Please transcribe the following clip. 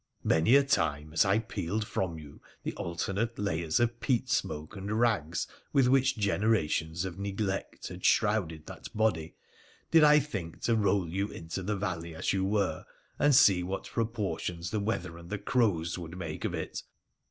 Many a time as I peeled from you the alternate layers of peat smoke and rags with which generations of neglect had shrouded that body, did I think to roll you into the valley as you were, and see what proportions the weather and the crows would make of it.